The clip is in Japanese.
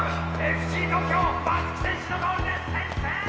ＦＣ東京松木選手のゴールで先制！